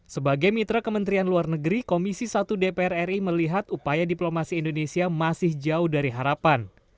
sebagai mitra kementerian luar negeri komisi satu dpr ri melihat upaya diplomasi indonesia masih jauh dari harapan